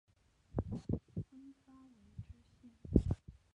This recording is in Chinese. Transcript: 分发为知县。